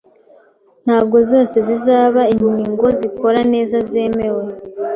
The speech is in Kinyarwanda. Ntabwo zose zizaba inkingo zikora neza zemewe